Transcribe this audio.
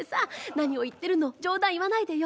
何を言ってるの冗談言わないでよ。